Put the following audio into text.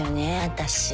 私。